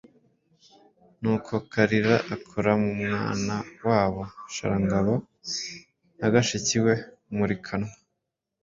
Nuko Kalira akora ku mwana wabo Sharangabo na gashiki ke Mulikanwa